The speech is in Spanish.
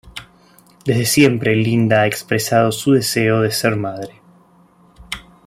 Desde siempre Linda ha expresado su deseo de ser madre.